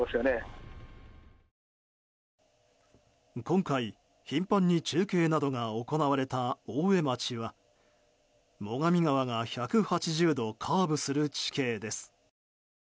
今回頻繁に中継などが行われた大江町は、最上川が１８０度カーブする地形です。